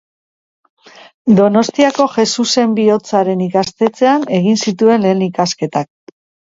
Donostiako Jesusen Bihotzaren ikastetxean egin zituen lehen ikasketak.